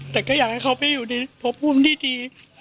แต่ก็อยากให้เขาไปอยู่ในพบภูมิที่ดี